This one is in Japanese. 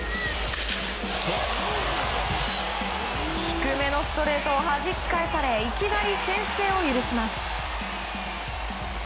低めのストレートをはじき返されいきなり先制を許します。